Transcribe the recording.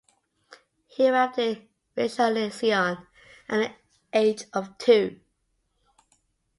He arrived in Rishon Le Zion at the age of two.